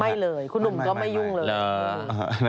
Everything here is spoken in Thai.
ไม่เลยคุณหนุ่มก็ไม่ยุ่งเลย